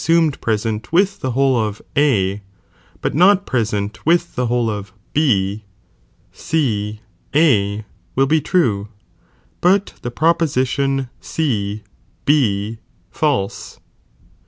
aunied present with the whole of A, but not pre sent with the whole of B, C A will be true, but the proposi tion C B false.